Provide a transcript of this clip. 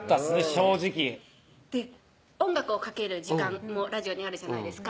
正直音楽をかける時間もラジオにあるじゃないですか